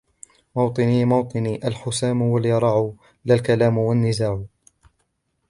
مَــوطِــنِــي مَــوطِــنِــي الحُسَامُ واليَـرَاعُ لا الكـلامُ والنزاعُ